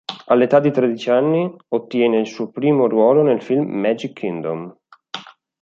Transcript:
All'età di tredici anni ottiene il suo primo ruolo nel film "Magic Kingdom".